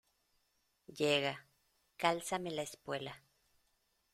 llega, cálzame la espuela.